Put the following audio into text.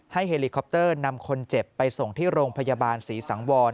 เฮลิคอปเตอร์นำคนเจ็บไปส่งที่โรงพยาบาลศรีสังวร